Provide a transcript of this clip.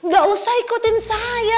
gak usah ikutin saya